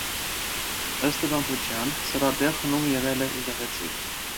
Ըստ ավանդության սրա տեղ հնում եղել է եկեղեցի։